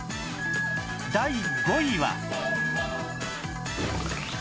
第５位は